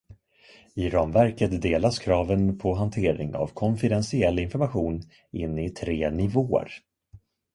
I ramverket delas kraven på hantering av konfidentiell information in i tre nivåer.